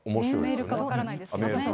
メールか分からないですけどね。